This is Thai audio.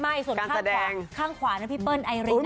ไม่ส่วนข้างขวาข้างขวานั้นพี่เปิ้ลไอรินนะคะ